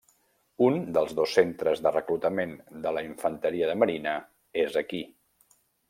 Un dels dos centres de reclutament de la infanteria de marina és aquí.